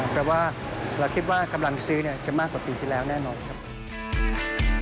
แต่ว่าเราคิดว่ากำลังซื้อจะมากกว่าปีที่แล้วแน่นอนครับ